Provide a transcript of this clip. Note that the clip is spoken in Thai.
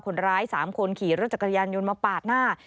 คนร้าย๓คนขี่รถจักรยานยนต์มาปาดหน้า